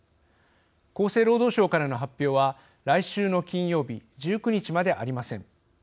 厚生労働省からの発表は来週の金曜日１９日までありません。